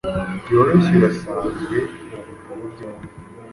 byoroshyeurasanzwe mubitabo byombi